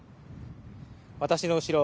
私の後ろ